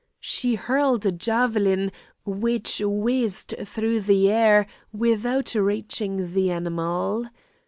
She hurled a javelin which whizzed through the air without reaching the animal.